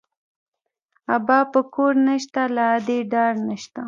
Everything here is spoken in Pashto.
ابا په کور نه شته، له ادې ډار نه شته